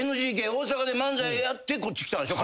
大阪で漫才やってこっち来たんでしょ。